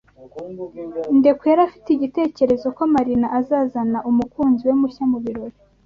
Ndekwe yari afite igitekerezo ko Marina azazana umukunzi we mushya mubirori.